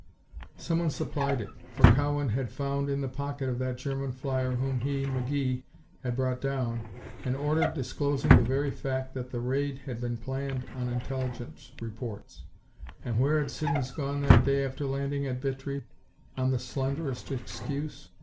Someone supplied it, for Cowan had found in the pocket of the German flyer whom he, McGee, had brought down, an order disclosing the very fact that the raid had been planned on Intelligence reports. And where had Siddons gone that day after landing at Vitry on the slenderest excuse?